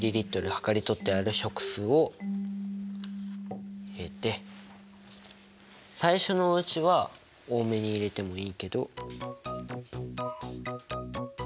量り取ってある食酢を入れて最初のうちは多めに入れてもいいけど。